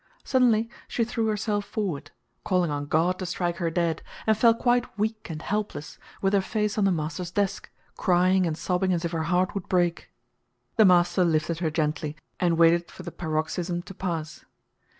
Suddenly she threw herself forward, calling on God to strike her dead, and fell quite weak and helpless, with her face on the master's desk, crying and sobbing as if her heart would break. The master lifted her gently and waited for the paroxysm to pass.